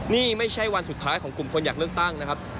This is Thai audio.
นี่ไม่ใช่วันสุดท้ายของกลุ่มคนอยากเลือกตั้งนะครับ